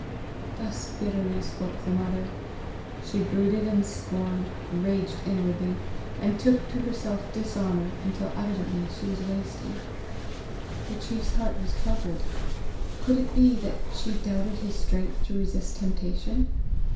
Thus bitterly spoke the mother. She brooded and scorned, raged inwardly, and took to herself dishonour, until evidently she was wasting. The chief's heart was troubled; could it be that she doubted his strength to resist temptation?